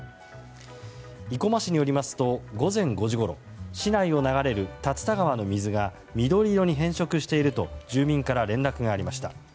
生駒市によりますと午前５時ごろ市内を流れる竜田川の水が緑色に変色していると住民から連絡がありました。